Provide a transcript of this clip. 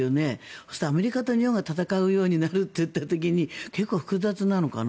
そしたら、アメリカと日本が戦うようになるといった時に結構、複雑なのかな？